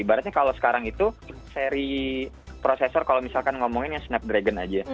ibaratnya kalau sekarang itu seri prosesor kalau misalkan ngomongin yang snap dragon aja